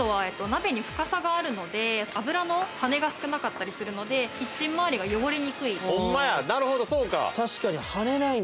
あとは鍋に深さがあるので油のはねが少なかったりするので、キッチン周りが汚れにくい。